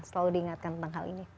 selalu diingatkan tentang hal ini